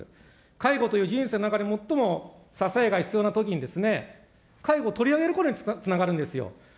介護という人生の中で最も支えが必要なときにですね、介護を取り上げることにつながるんですよ。